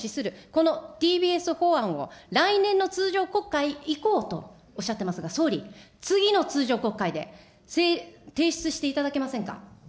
このＤＢＳ法案を、来年の通常国会以降とおっしゃってますが、総理、次の通常国会で提出していただけませんか。